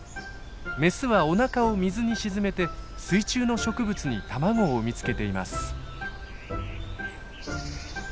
メスはおなかを水に沈めて水中の植物に卵を産みつけています。